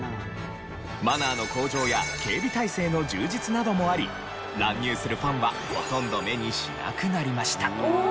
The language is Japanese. マナーの向上や警備体制の充実などもあり乱入するファンはほとんど目にしなくなりました。